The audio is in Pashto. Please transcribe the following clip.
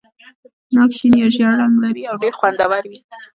ناک شین یا ژېړ رنګ لري او ډېر خوندور وي.